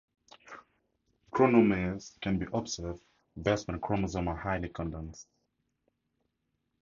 Chromomeres can be observed best when chromosomes are highly condensed.